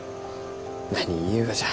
何言いゆうがじゃ？